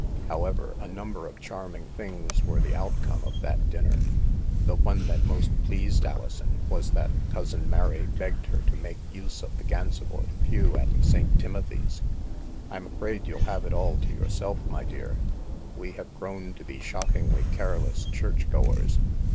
However, a number of charming things were the outcome of that dinner. The one that most pleased Alison was that Cousin Mary begged her to make use of the Gansevoort pew at St. Timothy's. " I'm afraid you'll have it all to yourself, my dear. We have grown to be shockingly careless church goers.